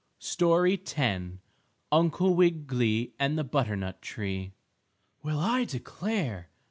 STORY X UNCLE WIGGILY AND THE BUTTERNUT TREE "Well, I declare!"